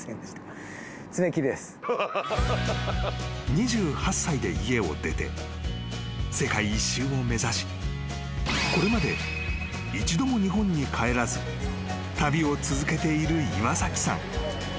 ［２８歳で家を出て世界一周を目指しこれまで一度も日本に帰らず旅を続けている岩崎さん］